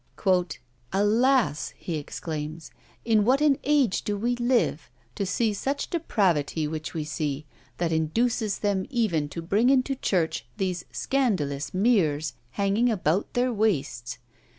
"Alas! (he exclaims) in what an age do we live: to see such depravity which we see, that induces them even to bring into church these scandalous mirrors hanging about their waists!